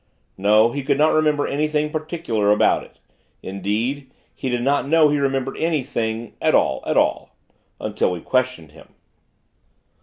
No, he could not remember anything particular about it; indeed, he did not know he remembered anything "at all, at all" until we questioned him.